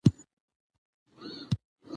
د کرکټ فینانشل لیګونه ډېر مشهور دي.